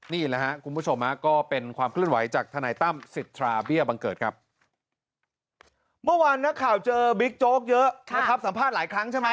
เมื่อวานนักข่าวเจอบิ๊กโจ๊กเยอะสัมภาษณ์หลายครั้งใช่ไหม